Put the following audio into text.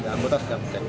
anggota sedang cek